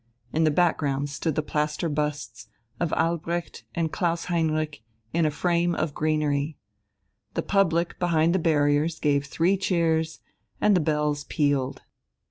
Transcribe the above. In the back ground stood the plaster busts of Albrecht and Klaus Heinrich in a frame of greenery. The public behind the barriers gave three cheers, and the bells pealed.